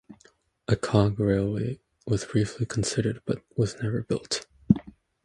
A cog railway was briefly considered but was never built.